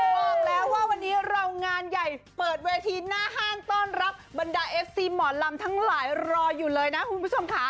บอกแล้วว่าวันนี้เรางานใหญ่เปิดเวทีหน้าห้างต้อนรับบรรดาเอฟซีหมอลำทั้งหลายรออยู่เลยนะคุณผู้ชมค่ะ